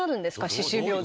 歯周病で。